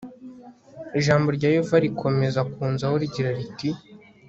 ijambo rya yehova rikomeza kunzaho rigira riti